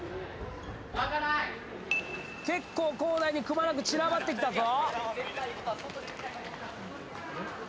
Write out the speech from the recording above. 結構校内にくまなく散らばってきたぞ。